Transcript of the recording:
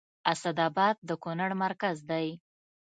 اسداباد د کونړ مرکز دی